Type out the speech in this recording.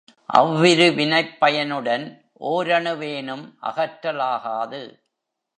அவ்விரு வினைப் பயனுடன் ஓரணுவேனும் அகற்றலாகாது.